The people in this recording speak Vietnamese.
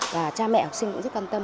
và cha mẹ học sinh cũng rất quan tâm